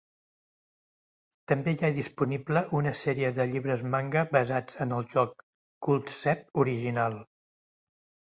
També hi ha disponible una sèrie de llibres manga basats en el joc Culdcept original.